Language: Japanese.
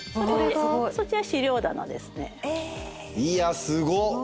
いやすごっ！